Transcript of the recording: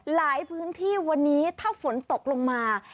หลายพื้นที่วันนี้ถ้าฝนตกลงมา